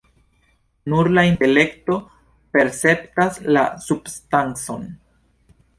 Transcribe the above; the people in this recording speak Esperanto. Nur la intelekto perceptas la substancon.